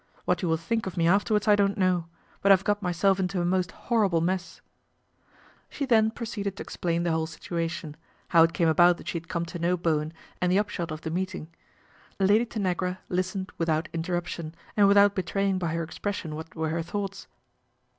What you will think of me afterwards I don't know ; but I've got myself into a most horrible mess." LADY TANAGRA TAKES A HAND 121 She then proceeded to explain the whole situation, how it came about that she had come to know Bowen and the upshot of the meeting. Lady Tan agra listened without interruption and without be traying by her expression what were her thoughts.